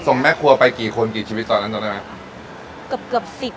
แม่ครัวไปกี่คนกี่ชีวิตตอนนั้นจำได้ไหมเกือบเกือบสิบ